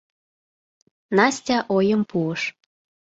— Настя ойым пуыш.